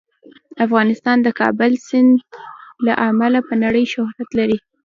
افغانستان د کابل سیند له امله په نړۍ شهرت لري.